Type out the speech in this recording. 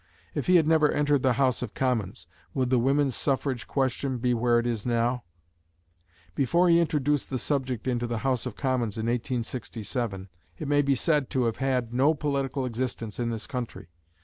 If he had never entered the House of Commons, would the women's suffrage question be where it now is? Before he introduced the subject into the House of Commons in 1867, it may be said to have had no political existence in this country.